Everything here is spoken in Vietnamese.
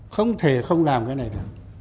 không thể không làm cái này được